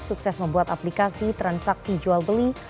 sukses membuat aplikasi transaksi jual beli